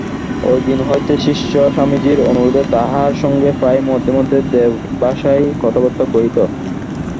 ঐদিন হইতে শিষ্য স্বামীজীর অনুরোধে তাঁহার সঙ্গে প্রায়ই মধ্যে মধ্যে দেবভাষায় কথাবার্তা কহিত।